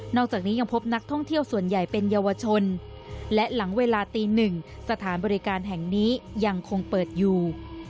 จากนี้ยังพบนักท่องเที่ยวส่วนใหญ่เป็นเยาวชนและหลังเวลาตีหนึ่งสถานบริการแห่งนี้ยังคงเปิดอยู่